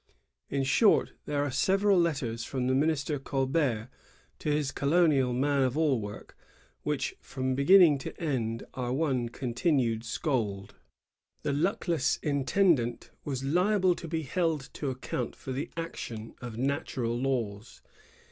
In short, there are several letters from the minister Colbert to his colonial man of all work, which, from beginning to end, are one continued scold. ^ The luckless intendant was liable to be held to account for the action of natural laws.